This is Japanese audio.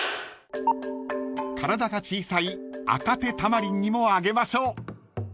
［体が小さいアカテタマリンにもあげましょう］